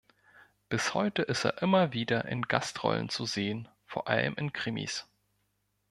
Bis heute ist er immer wieder in Gastrollen zu sehen, vor allem in Krimis.